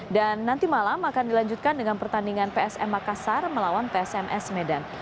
dan nanti malam akan dilanjutkan dengan pertandingan psm makassar melawan psms medan